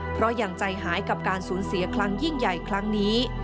เพราะยังใจหายกับการสูญเสียครั้งยิ่งใหญ่ครั้งนี้